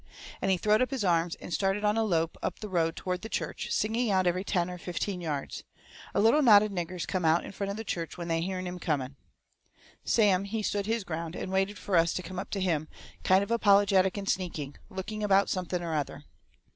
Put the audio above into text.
And he throwed up his arms, and started on a lope up the road toward the church, singing out every ten or fifteen yards. A little knot of niggers come out in front of the church when they hearn him coming. Sam, he stood his ground, and waited fur us to come up to him, kind of apologetic and sneaking looking about something or other.